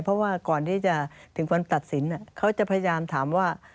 เพราะว่าก่อนที่จะถึงวันตัดสินเขาจะพยายามถามว่า